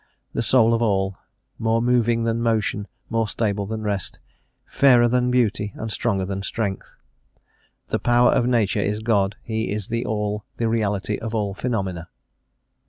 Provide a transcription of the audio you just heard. The soul of all; more moving than motion, more stable than rest; fairer than beauty, and stronger than strength. The power of Nature is God... He is the All; the Reality of all phenomena."